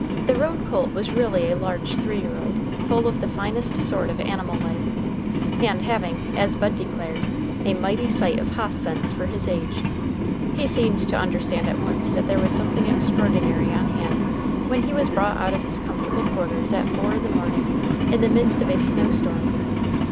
The roan colt was really a large three year old, full of the finest sort of animal life, and having, as Bud declared, "a mighty sight of hoss sense fer his age." He seemed to understand at once that there was something extraordinary on hand when he was brought out of his comfortable quarters at four in the morning in the midst of a snow storm.